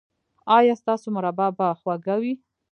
ایا ستاسو مربا به خوږه وي؟